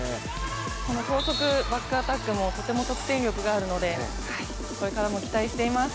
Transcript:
高速バックアタックもとても得点力があるのでこれからも期待しています。